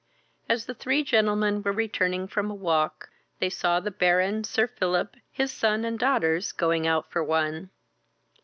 As the three gentlemen were returning from a walk, they saw the Baron, Sir Philip, his son, and daughters, going out for one.